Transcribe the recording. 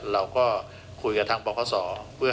เราก็คุยกับทางปราควเศรษฐ์